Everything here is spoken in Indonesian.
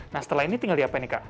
nah setelah ini tinggal diapain nih kak